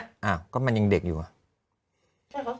อ้าวก็มันยังเด็กอยู่อ่ะ